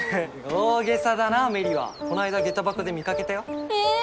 大げさだな芽李はこないだ下駄箱で見かけたよええー？